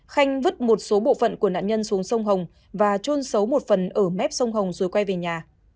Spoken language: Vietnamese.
khanh vứt một số bộ phận của nạn nhân xuống sông hồng và trôn xấu một phần ở mép sông hồng rồi quay về nhà